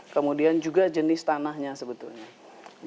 kemudian juga jenis tanahnya sangat tinggi